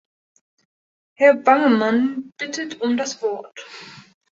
Herr Bangemann bittet um das Wort.